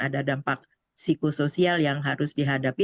ada dampak psikosoial yang harus dihadapi